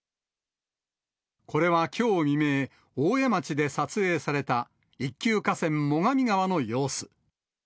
これはきょう未明、大江町で撮影された一級河川、最上川の様子。